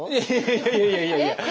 いやいやいやいや。